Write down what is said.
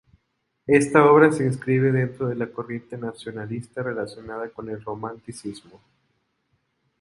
Esta obra se inscribe dentro de la corriente nacionalista relacionada con el Romanticismo.